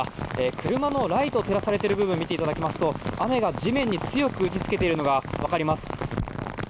車のライトが照らされている部分を見てみますと雨が地面に強く打ちつけているのが分かります。